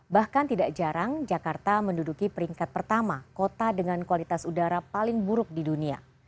bahkan tidak jarang jakarta menduduki peringkat pertama kota dengan kualitas udara paling buruk di dunia